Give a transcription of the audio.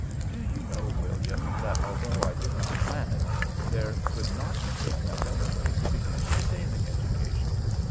Do you know, William, that although I did not plan it, there could not have been a better way to begin your sailing education.